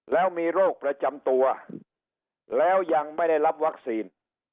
แล้วมีโรคประจำตัวแล้วยังไม่ได้รับวัคซีน